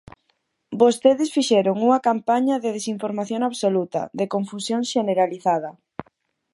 Vostedes fixeron unha campaña de desinformación absoluta, de confusión xeneralizada.